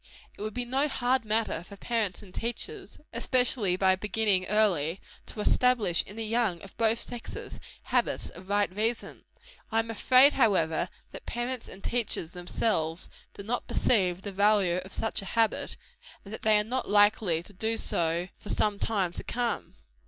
It would be no hard matter for parents and teachers especially by beginning early to establish in the young of both sexes, habits of right reasoning. I am afraid, however, that parents and teachers themselves do not perceive the value of such a habit, and that they are not likely to do so for some time to come.